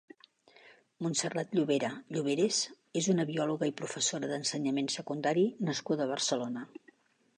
Montserrat Llovera Lloveras és una biòloga i professora d'ensenyament secundari nascuda a Barcelona.